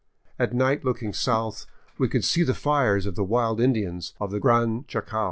At night, looking south, we could see the fires of the wild Indians of the Gran Chaco.